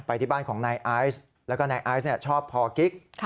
ไปที่บ้านของในไอซ์แล้วก็ในไอซ์เนี่ยชอบพอกิ๊ก